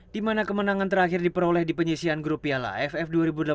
di mana kemenangan terakhir diperoleh di penyisian grup piala aff dua ribu delapan belas